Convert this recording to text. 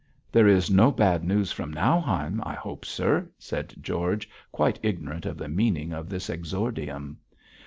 'There is no bad news from Nauheim, I hope, sir?' said George, quite ignorant of the meaning of this exordium.